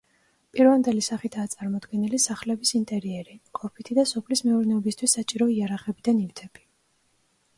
პირვანდელი სახითაა წარმოდგენილი სახლების ინტერიერი, ყოფითი და სოფლის მეურნეობისათვის საჭირო იარაღები და ნივთები.